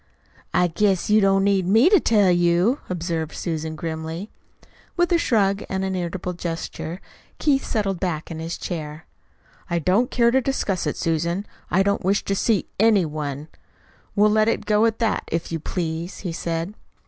"I guess you don't need me to tell you," observed Susan grimly. With a shrug and an irritable gesture Keith settled back in his chair. "I don't care to discuss it, Susan. I don't wish to see ANY one. We'll let it go at that, if you please," he said.